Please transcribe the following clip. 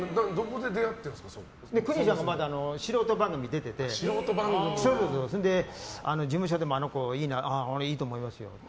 邦ちゃんが素人番組出ててそれで事務所でもあの子いいと思いますよって。